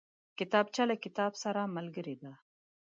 کتابچه له کتاب سره ملګرې ده